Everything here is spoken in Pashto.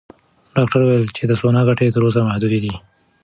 ډاکټره وویل چې د سونا ګټې تر اوسه محدودې دي.